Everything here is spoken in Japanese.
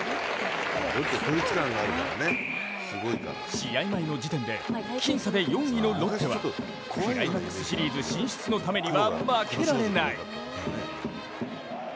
試合前の時点で僅差で４位のロッテはクライマックスシリーズ進出のためには負けられない。